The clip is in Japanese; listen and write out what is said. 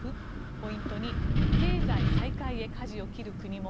ポイント２経済再開へかじを切る国も。